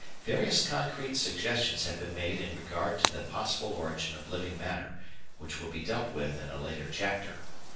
Various concrete suggestions have been made in regard to the possible origin of living matter, which will be dealt with in a later chapter.